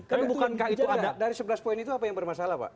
tapi bukankah itu ada dari sebelas poin itu apa yang bermasalah pak